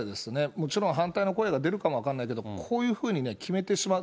もちろん反対の声が出るかも分かんないけど、こういうふうに決めてしまう。